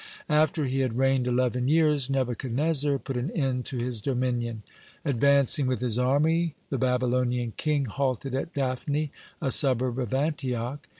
(127) After he had reigned eleven years, Nebuchadnezzar put an end to his dominion. Advancing with his army, the Babylonian king halted at Daphne, a suburb of Antioch.